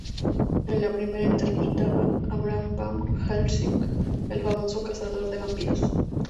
En la primera interpretaba a Abraham Van Helsing, el famoso cazador de vampiros.